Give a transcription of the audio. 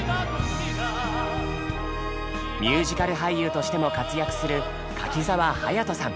ミュージカル俳優としても活躍する柿澤勇人さん。